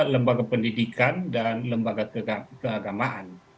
lembaga pendidikan dan lembaga keagamaan